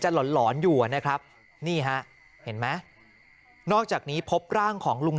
หลอนหลอนอยู่นะครับนี่ฮะเห็นไหมนอกจากนี้พบร่างของลุง